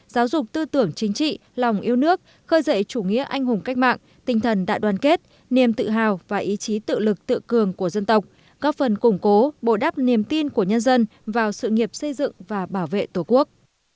giáo dục tư tưởng chính trị lòng yêu nước khơi dậy chủ nghĩa anh hùng cách mạng tinh thần đại đoàn kết niềm tự hào và ý chí tự lực tự cường của dân tộc góp phần củng cố bổ đắp niềm tin của nhân dân vào sự nghiệp xây dựng và bảo vệ tổ quốc